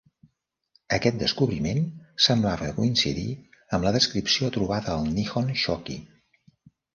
Aquest descobriment semblava coincidir amb la descripció trobada al "Nihon Shoki".